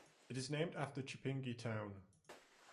It is named after Chipinge town.